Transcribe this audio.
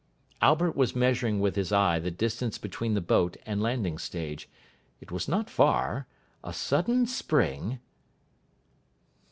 Albert was measuring with his eye the distance between the boat and landing stage. It was not far. A sudden spring....